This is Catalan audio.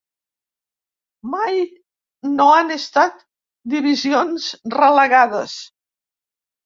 Mai no han estat divisions relegades.